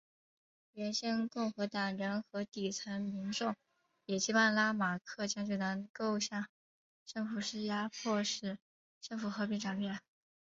原先共和党人和底层民众也期盼拉马克将军能够向政府施压迫使政府和平转变。